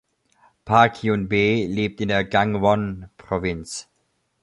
Park Yun-bae lebt in der Gangwon-Provinz.